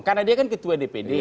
karena dia kan ketua dpd